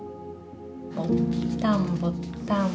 「ぼったんぼったん